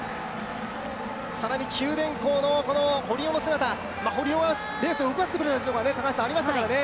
更に九電工の堀尾の姿、堀尾はレースを動かしてくれたところがありましたからね。